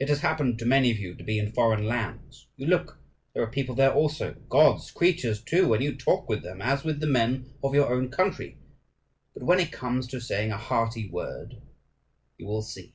It has happened to many of you to be in foreign lands. You look: there are people there also, God's creatures, too; and you talk with them as with the men of your own country. But when it comes to saying a hearty word you will see.